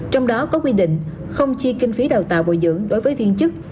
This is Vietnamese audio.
trong đó có quy định không chi kinh phí đào tạo bồi dưỡng đối với viên chức